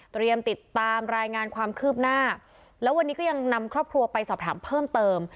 ติดตามรายงานความคืบหน้าแล้ววันนี้ก็ยังนำครอบครัวไปสอบถามเพิ่มเติม